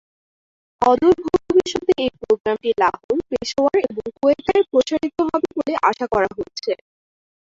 অদূর ভবিষ্যতে এই প্রোগ্রামটি লাহোর, পেশোয়ার এবং কোয়েটায় প্রসারিত হবে বলে আশা করা হচ্ছে।